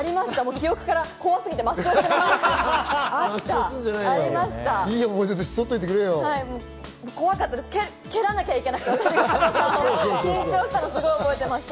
記憶から怖すぎて抹消していました。